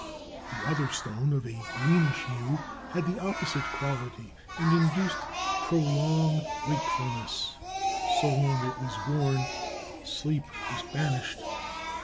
The other stone, of a greenish hue, had the opposite quality and induced prolonged wakefulness; so long as it was worn, sleep was banished.